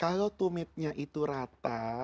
kalau tumitnya itu rata